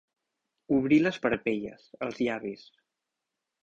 Obrir les parpelles, els llavis.